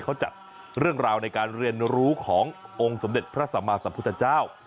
เขาจัดเรื่องราวในการเรียนรู้ขององค์สมเด็จพระสัมมาสัมพุทธเจ้า